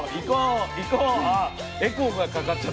あエコーがかかっちゃった。